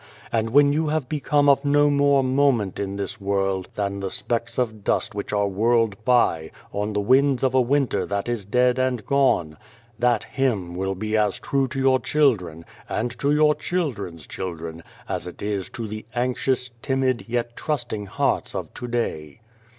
And when you have become of no more moment in this world than the specks of dust which are whirled by, on the winds of a winter that is dead and gone, that hymn will be as true to your children, and to your children's children, as it is to the anxious, timid, yet trusting hearts of to day.